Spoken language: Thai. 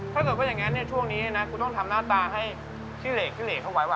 ถ้าเกิดก็อย่างงี้เนี่ยช่วงนี้เลยนะกูต้องทำหน้าตาให้ขี้เหล่ขี้เหล่เข้าไว้วะ